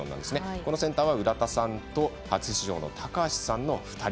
このセンターは浦田さんと初出場の高橋さんの２人。